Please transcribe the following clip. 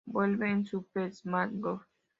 Vuelve en Super Smash Bros.